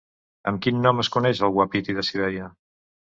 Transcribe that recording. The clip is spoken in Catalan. Amb quin nom es coneix el uapití de Sibèria?